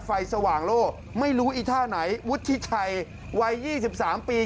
สว่างโล่ไม่รู้อีท่าไหนวุฒิชัยวัย๒๓ปี